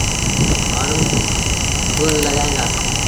مآڻهوٚݩ ٽوئيل لڳائيٚݩ دآ۔